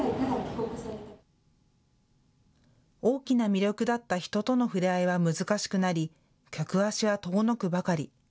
大きな魅力だった人との触れ合いは難しくなり客足は遠のくばかり。